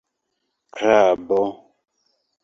Krabo...